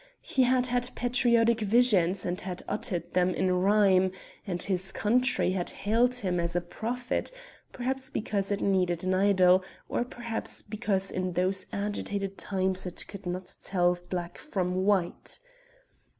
He had had patriotic visions and had uttered them in rhyme, and his country had hailed him as a prophet perhaps because it needed an idol, or perhaps because in those agitated times it could not tell black from white.